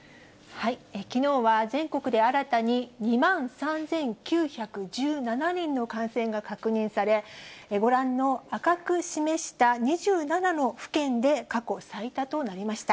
きのうは全国で新たに２万３９１７人の感染が確認され、ご覧の赤く示した２７の府県で過去最多となりました。